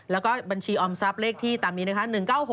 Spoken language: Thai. แล้วก็บัญชีออมทรัพย์เลขที่ตามนี้นะคะ